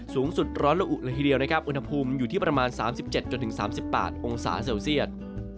สูงสุดร้อนละอุเลยทีเดียวนะครับอุณหภูมิอยู่ที่ประมาณ๓๗๓๘องศาเซลเซียต